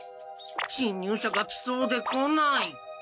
しんにゅうしゃが来そうで来ない。